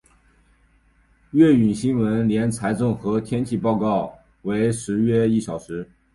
粤语新闻连财经和天气报告为时约一小时。